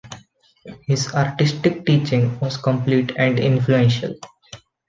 His artistic teaching was complete and influential.